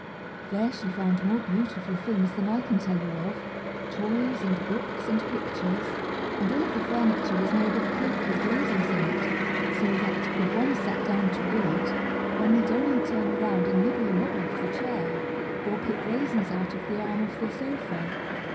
There she found more beautiful things than I can tell you of toys and books and pictures and all the furniture was made of cake with raisins in it, so that, if one sat down to read, one need only turn around and nibble a knob off the chair, or pick raisins out of the arm of the sofa.